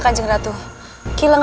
banyak negara di luar ia